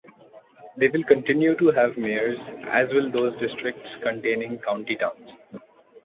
They will continue to have mayors as will those districts containing county towns.